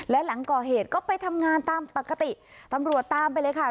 และหลังก่อเหตุก็ไปทำงานตามปกติตำรวจตามไปเลยค่ะ